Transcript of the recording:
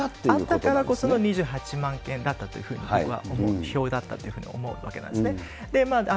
あったからこその２８万件というふうに、僕は、票だったというふうに思うわけなんですね。